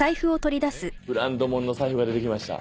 ブランドもんの財布が出てきました。